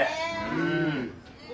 ・うん。